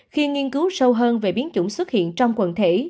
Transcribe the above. khi nghiên cứu sâu hơn về biến chủng xuất hiện trong quần thể